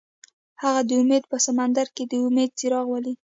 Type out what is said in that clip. هغه د امید په سمندر کې د امید څراغ ولید.